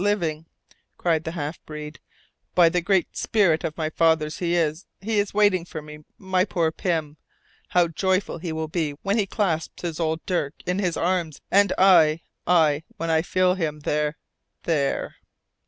Living!" cried the half breed. "By the great spirit of my fathers, he is he is waiting for me, my poor Pym! How joyful he will be when he clasps his old Dirk in his arms, and I I, when I feel him, there, there."